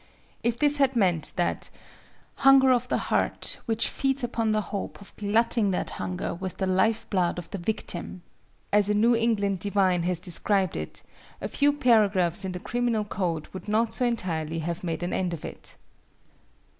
If this had meant that "hunger of the heart which feeds upon the hope of glutting that hunger with the life blood of the victim," as a New England divine has described it, a few paragraphs in the Criminal Code would not so entirely have made an end of it.